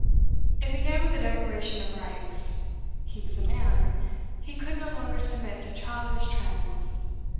It began with a declaration of rights. He was a man; he could no longer submit to childish trammels.